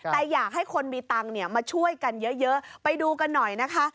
แต่อยากให้คนมีตังค์มาช่วยกันเยอะไปดูกันหน่อยนะคะ